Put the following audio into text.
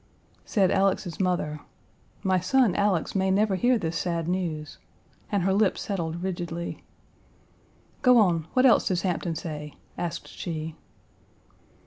Said Alex's mother: "My son, Alex, may never hear this sad news," and her lip settled rigidly. "Go on; what else does Hampton say?" asked she.